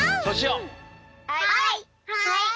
はい！